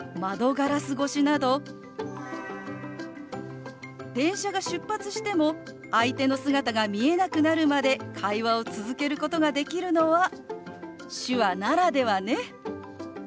ガラス越しなど電車が出発しても相手の姿が見えなくなるまで会話を続けることができるのは手話ならではね。